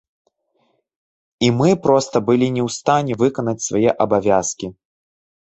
І мы проста былі не ў стане выканаць свае абавязкі.